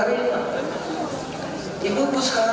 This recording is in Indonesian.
dan yang terang terangnya